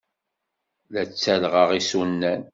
La ttalyeɣ isunan.